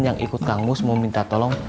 yang ikut kang mus mau minta tolong